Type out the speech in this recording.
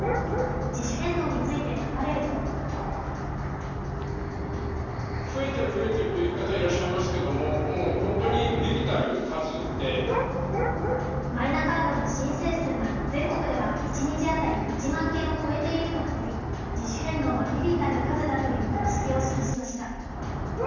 自主返納について問われるとマイナカードの申請数が全国では一日当たり１万件を超えていると語り自主返納は微々たる数だという認識を示しました。